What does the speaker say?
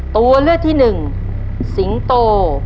ตัวเลือกที่หนึ่งสิงโต